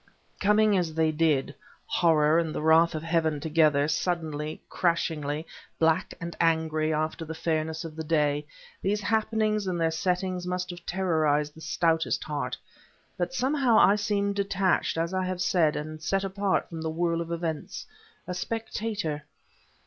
Coming as they did, horror and the wrath of heaven together, suddenly, crashingly, black and angry after the fairness of the day, these happenings and their setting must have terrorized the stoutest heart; but somehow I seemed detached, as I have said, and set apart from the whirl of events; a spectator.